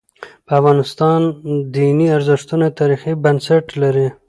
د افغانستان دیني ارزښتونه تاریخي بنسټ لري.